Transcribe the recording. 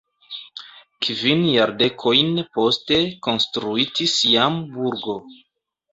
Kvin jardekojn poste konstruitis jam burgo.